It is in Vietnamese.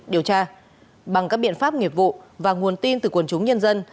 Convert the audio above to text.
điều tra bằng các biện pháp nghiệp vụ và nguồn tin từ quần chúng nhân dân